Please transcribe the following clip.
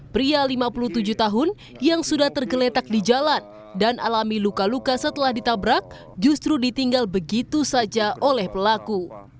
pria lima puluh tujuh tahun yang sudah tergeletak di jalan dan alami luka luka setelah ditabrak justru ditinggal begitu saja oleh pelaku